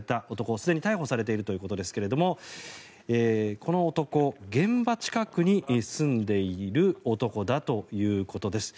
すでに逮捕されているということですがこの男、現場近くに住んでいる男だということです。